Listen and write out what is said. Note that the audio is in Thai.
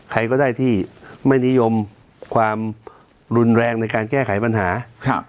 ใครก็ได้ที่ไม่นิยมความรุนแรงในการแก้ไขปัญหาครับ